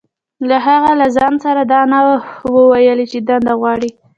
هغه له ځان سره دا نه وو ويلي چې دنده غواړي.